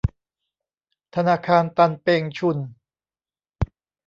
ธนาคารตันเปงชุน